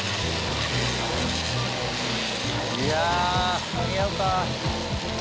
いや間に合うか？